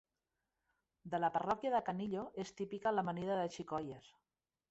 De la parròquia de Canillo és típica l'amanida de xicoies.